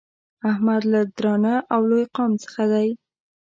احمد له درانه او لوی قوم څخه دی.